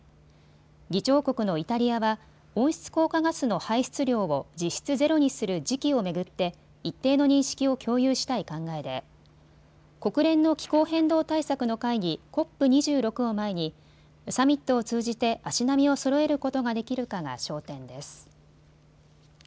議長国のイタリアは温室効果ガスの排出量を実質ゼロにする時期を巡って一定の認識を共有したい考えで国連の気候変動対策の会議、ＣＯＰ２６を前にサミットを通じて足並みをそろえることができるかが焦点です。